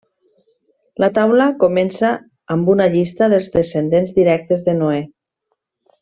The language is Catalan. La Taula comença amb una llista dels descendents directes de Noè.